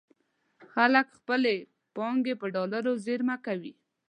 خلک خپلې پانګې په ډالرو زېرمه کوي.